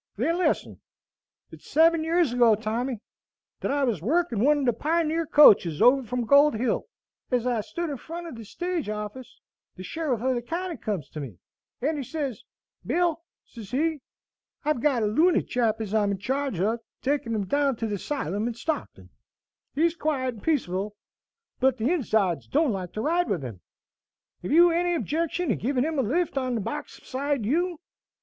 "Then listen. It's seven years ago, Tommy, thet I was working one o' the Pioneer coaches over from Gold Hill. Ez I stood in front o' the stage office, the sheriff o' the county comes to me, and he sez, 'Bill,' sez he, 'I've got a looney chap, as I'm in charge of, taking 'im down to the 'sylum in Stockton. He'z quiet and peaceable, but the insides don't like to ride with him. Hev you enny objection to give him a lift on the box beside you?'